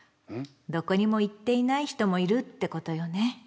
どこにも行っていない人もいるってことよね。